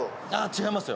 違います。